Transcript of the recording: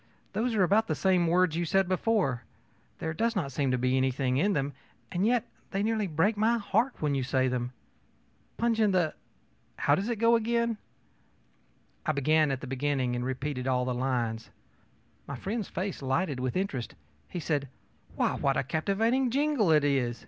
Those are about the same words you said before; there does not seem to be anything in them, and yet they nearly break my heart when you say them. Punch in the how is it they go?ö I began at the beginning and repeated all the lines. My friend's face lighted with interest. He said: ōWhy, what a captivating jingle it is!